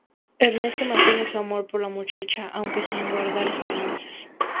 Ernesto mantiene su amor por la muchacha aunque sin guardar esperanzas.